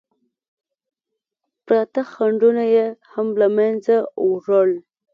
پراته خنډونه یې هم له منځه وړل.